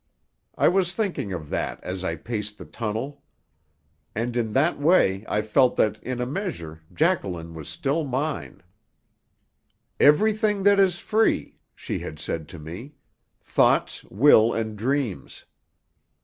I was thinking of that as I paced the tunnel. And in that way I felt that, in a measure, Jacqueline was still mine. "Everything that is free," she had said to me, "thoughts, will and dreams."